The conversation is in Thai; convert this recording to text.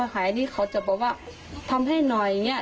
หายนี่เขาจะบอกว่าทำให้หน่อยอย่างนี้